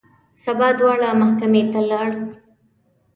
سبا دواړه محکمې ته ولاړل.